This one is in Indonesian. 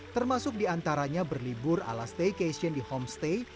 termasuk diantaranya berlibur ala staycation di homestay